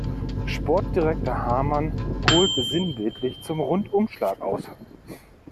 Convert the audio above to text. Sportdirektor Hamann holt sinnbildlich zum Rundumschlag aus.